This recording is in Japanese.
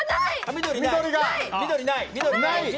緑ない！